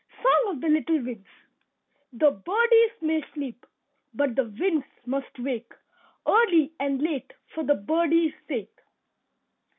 SONG OF THE LITTLE WINDS The birdies may sleep, but the winds must wake Early and late, for the birdies' sake.